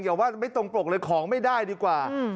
อย่าว่าไม่ตรงปกเลยของไม่ได้ดีกว่า